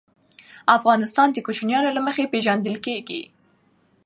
افغانستان د کوچیانو له مخې پېژندل کېږي.